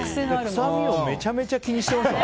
臭みをめちゃめちゃ気にしてましたよ。